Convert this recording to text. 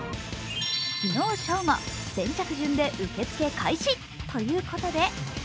昨日正午、先着順で受け付け開始ということで「ＴＨＥＴＩＭＥ，」